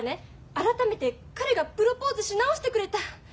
改めて彼がプロポーズし直してくれた。